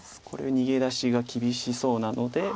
これ逃げ出しが厳しそうなので。